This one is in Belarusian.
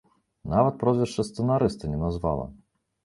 Нават прозвішча сцэнарыста не назвала.